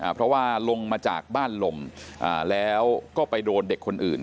เพราะว่าลงมาจากบ้านลมแล้วก็ไปโดนเด็กคนอื่น